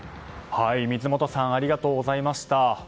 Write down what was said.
水本さんありがとうございました。